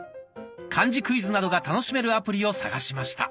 漢字クイズなどが楽しめるアプリを探しました。